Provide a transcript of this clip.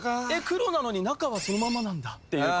黒なのに中はそのままなんだっていう。